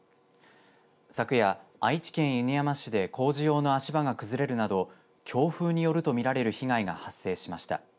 昨夜、愛知県犬山市で工事用の足場が崩れるなど強風によるとみられる被害が発生しました。